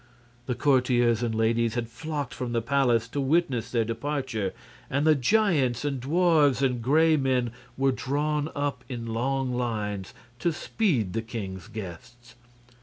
The courtiers and ladies had flocked from the palace to witness their departure, and the giants and dwarfs and Gray Men were drawn up in long lines to speed the king's guests.